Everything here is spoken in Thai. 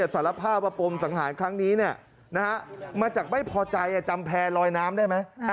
สารภาพว่าปมสังหารครั้งนี้มาจากไม่พอใจจำแพร่ลอยน้ำได้ไหม